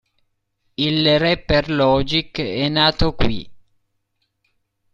Il rapper Logic è nato qui.